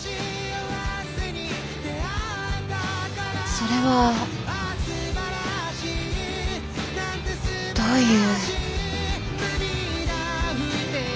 それはどういう。